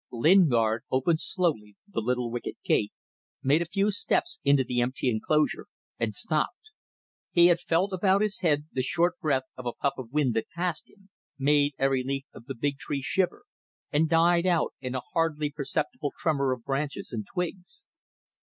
Lingard opened slowly the little wicket gate, made a few steps into the empty enclosure, and stopped. He had felt about his head the short breath of a puff of wind that passed him, made every leaf of the big tree shiver and died out in a hardly perceptible tremor of branches and twigs.